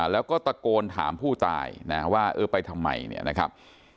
แล้วก็ตะโกนถามผู้ตายนะว่าเออไปทำไมเนี่ยนะครับ